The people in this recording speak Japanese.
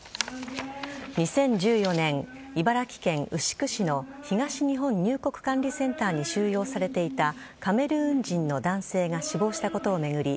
２０１４年茨城県牛久市の東日本入国管理センターに収容されていたカメルーン人の男性が死亡したことを巡り